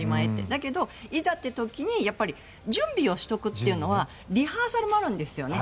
だけど、いざという時に準備をしておくっていうのはリハーサルもあるんですよね。